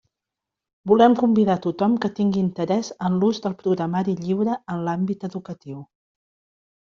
Volem convidar tothom que tingui interès en l'ús del programari lliure en l'àmbit educatiu.